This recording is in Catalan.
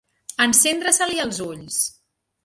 Encendre-se-li els ulls.